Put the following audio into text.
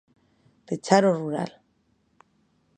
Pechar o rural.